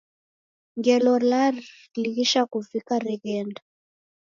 Ngelo ralighisa kuvika reghenda.